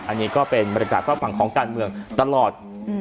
อันนี้ก็เป็นบริการฝั่งของการเมืองตลอดอืม